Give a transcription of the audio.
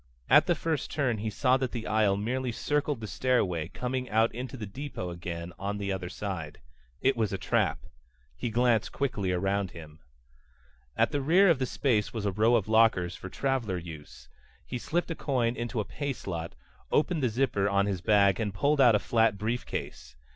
At the first turn he saw that the aisle merely circled the stairway, coming out into the depot again on the other side. It was a trap. He glanced quickly around him. At the rear of the space was a row of lockers for traveler use. He slipped a coin into a pay slot, opened the zipper on his bag and pulled out a flat briefcase.